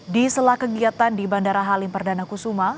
di sela kegiatan di bandara halim perdana kusuma